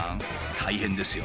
大変ですよ。